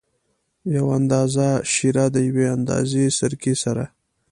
یو اندازه شېره د یوې اندازه سرکې سره.